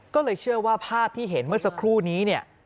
ก็เลยเชื่อว่าภาพที่เห็นเมื่อสักครู่นี้เนี่ย